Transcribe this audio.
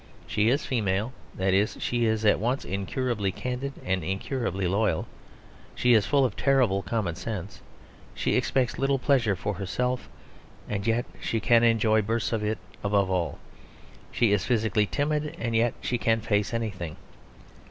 She is female: that is, she is at once incurably candid and incurably loyal, she is full of terrible common sense, she expects little pleasure for herself and yet she can enjoy bursts of it; above all, she is physically timid and yet she can face anything.